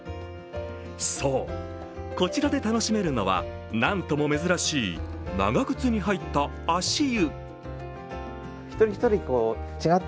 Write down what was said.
そう、こちらで楽しめるのはなんとも珍しい長靴に入った足湯。